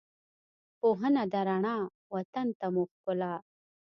پوهنه ده رڼا، وطن ته مو ښکلا